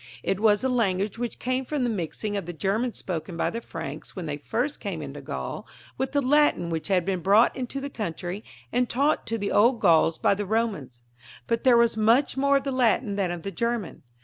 It was a language which came from the mixing of the German spoken by the Franks when they first came into Gaul with the Latin which had been brought into the country and taught to the old Gauls by the Eomans, but there was much more of the Latin than of the German.